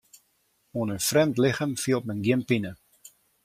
Oan in frjemd lichem fielt men gjin pine.